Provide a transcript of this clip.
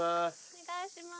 お願いします。